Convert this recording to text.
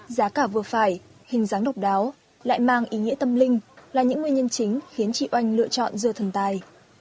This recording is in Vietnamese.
giá cả vừa phải hình dáng độc đáo lại mang ý nghĩa tâm linh là những nguyên nhân chính khiến chị oanh lựa chọn dưa thần tài